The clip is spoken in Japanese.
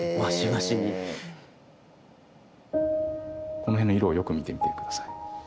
この辺の色をよく見てみて下さい。